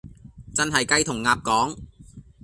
真係雞同鴨講